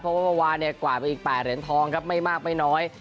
เพราะว่าวันกว่าดไปอีก๘เหรียญท้องครับไม่มากไม่น้อย